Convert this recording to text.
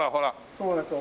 そうですよ。